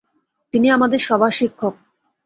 তিনি আমাদের সবার শিক্ষক।